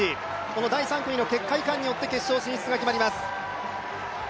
この第３組の結果いかんによって決勝進出が決まります。